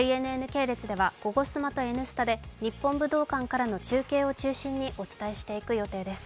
ＪＮＮ系列では「ゴゴスマ」と「Ｎスタ」で、日本武道館からの中継を中心にお伝えしていく予定です。